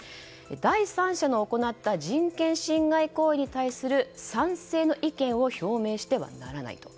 第三者の行った人権侵害行為に対する賛成の意見を表明してはならないと。